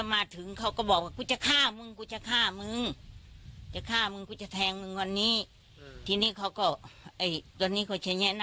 บิดล่อหลวงเขาก็เต็มอีกทางที่๒